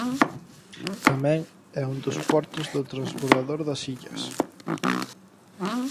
Tamén é un dos portos do transbordador das illas.